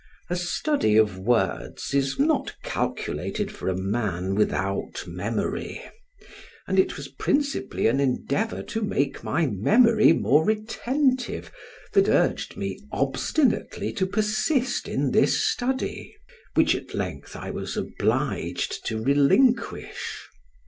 A study of words is not calculated for a man without memory, and it was principally an endeavor to make my memory more retentive, that urged me obstinately to persist in this study, which at length I was obliged to relinquish.